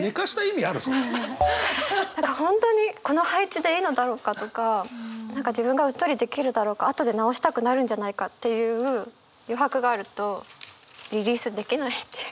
何か本当にこの配置でいいのだろうかとか何か自分がうっとりできるだろうか後で直したくなるんじゃないかっていう余白があるとリリースできないっていう。